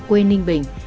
quê ninh bình